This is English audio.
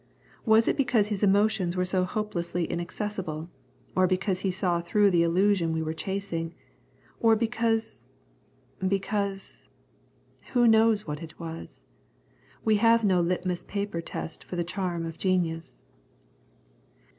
Was it because his emotions were so hopelessly inaccessible, or because he saw through the illusion we were chasing; or because because who knows what it was? We have no litmus paper test for the charm of genius.